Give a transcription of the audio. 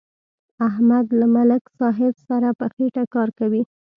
احمد له ملک صاحب سره په خېټه کار کوي.